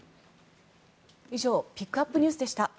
以上ピックアップＮＥＷＳでした。